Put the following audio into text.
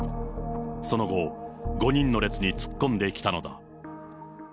その後、５人の列に突っ込んできたのだ。